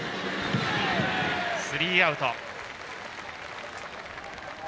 スリーアウト。